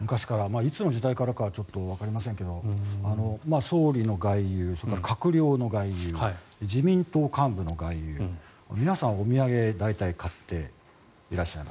いつの時代からかはちょっとわかりませんが総理の外遊、閣僚の外遊自民党幹部の外遊皆さん、お土産大体買っていらっしゃいます。